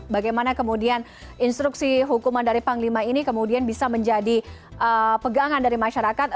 bagaimana kemudian instruksi hukuman dari panglima ini kemudian bisa menjadi pegangan dari masyarakat